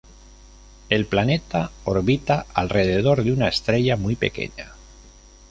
El planeta orbita alrededor de una estrella muy pequeña.